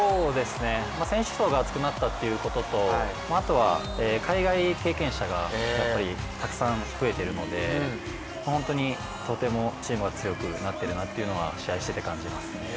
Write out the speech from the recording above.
選手層が厚くなったということとあとは海外経験者がやっぱりたくさん増えているので、本当にとてもチームが強くなっているなというのは試合をしていて感じます。